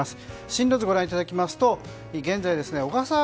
進路図をご覧いただきます。